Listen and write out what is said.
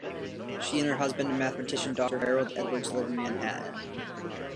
She and her husband, mathematician Doctor Harold Edwards, live in Manhattan.